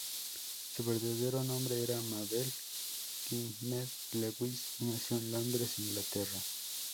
Su verdadero nombre era Mabel Gwynedd Lewis, y nació en Londres, Inglaterra.